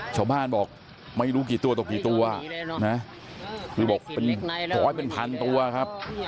ชาวบ้านบอกไม่รู้กี่ตัวต่อกี่ตัวนะคือบอกเป็นร้อยเป็นพันตัวครับ